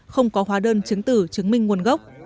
không có hóa đơn chứng tử chứng minh nguồn gốc